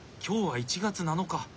今日は１月７日！